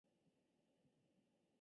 右边是三峡溪与拱桥